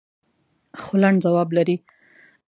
خو لنډ ځواب لري.